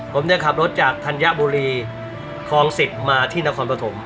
ผมเนี่ยขับรถจากธัญบุรีคลอง๑๐มาที่นครปฐม